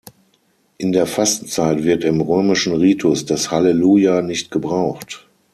In der Fastenzeit wird im römischen Ritus das Halleluja nicht gebraucht.